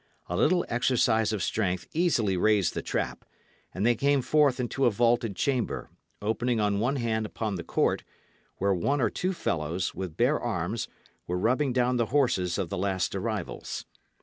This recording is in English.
A little exercise of strength easily raised the trap; and they came forth into a vaulted chamber, opening on one hand upon the court, where one or two fellows, with bare arms, were rubbing down the horses of the last arrivals.